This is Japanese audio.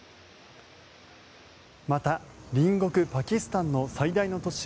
また、隣国パキスタンの最大の都市